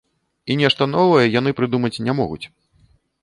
І нешта новае яны прыдумаць не могуць.